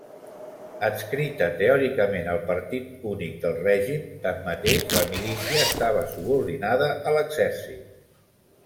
Adscrita teòricament al partit únic del règim, tanmateix la milícia estava subordinada a l'Exèrcit.